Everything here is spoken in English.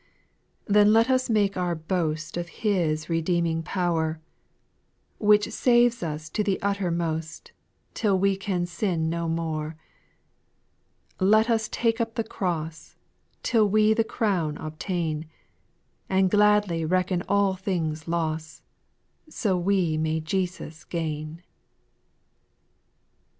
5. Then let us make our boast Of His redeeming power, Which saves us to the uttermost, Till we can sin no more. 6. Let us take up the cross, Till we the crown obtain ; And gladly reckon all things loss, So we may Jesus gain.